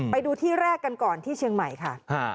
ไปดูที่แรกกันก่อนที่เชียงใหม่ค่ะ